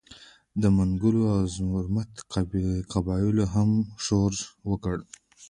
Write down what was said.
د منګلو او زرمت قبایلو هم ښورښ وکړ.